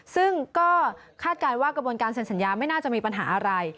ซึ่งก็คาดการณ์ว่ากระบวนการเซ็นสัญญาไม่น่าจะมีปัญหาอะไร